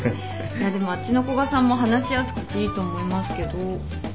いやでもあっちの古賀さんも話しやすくていいと思いますけど。